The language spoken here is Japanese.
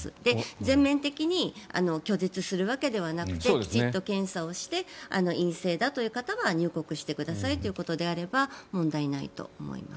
全面的に拒絶するわけではなくてきちんと検査して陰性だという方は入国してくださいということであれば問題ないと思います。